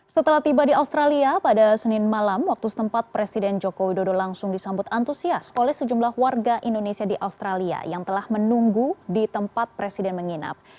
setelah tiba di australia pada senin malam waktu setempat presiden joko widodo langsung disambut antusias oleh sejumlah warga indonesia di australia yang telah menunggu di tempat presiden menginap